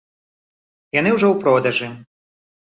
Яны ўжо ў продажы.